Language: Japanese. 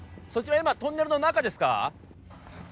今トンネルの中ですか？